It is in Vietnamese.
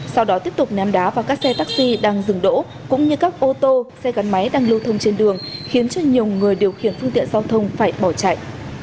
sau đó tiếp tục ném đá vào các xe taxi đang dừng đỗ cũng như các ô tô xe gắn máy đang lưu thông trên đường khiến cho nhiều người điều khiển phương tiện giao thông phải bỏ chạy